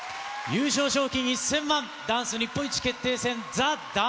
優勝賞金１０００万、ダンス日本一決定戦、ＴＨＥＤＡＮＣＥＤＡＹ。